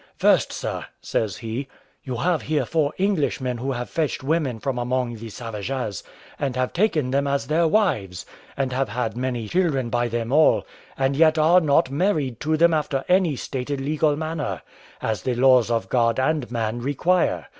First, sir," says he, "you have here four Englishmen, who have fetched women from among the savages, and have taken them as their wives, and have had many children by them all, and yet are not married to them after any stated legal manner, as the laws of God and man require.